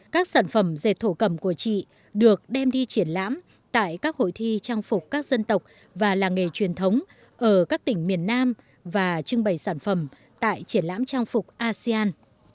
các sản phẩm dệt thổ cầm của chị được đem đi triển lãm tại các hội thi trang phục các dân tộc và làng nghề truyền thống ở các tỉnh miền nam và trưng bày sản phẩm tại triển lãm trang phục asean